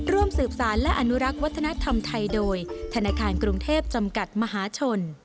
ร่วมสืบสารและอนุรักษ์วัฒนธรรมไทยโดยธนาคารกรุงเทพจำกัดมหาชน